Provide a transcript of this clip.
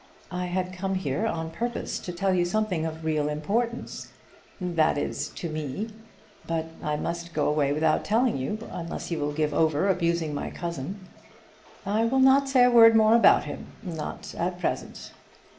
I had come here on purpose to tell you something of real importance, that is, to me; but I must go away without telling you, unless you will give over abusing my cousin." "I will not say a word more about him, not at present."